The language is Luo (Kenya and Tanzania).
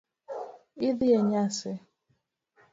Idhi e nyasi?